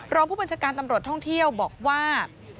รองผู้บัญชาการตำรวจท่องเที่ยวบอกว่า